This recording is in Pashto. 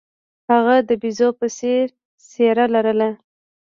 هغه د بیزو په څیر څیره لرله.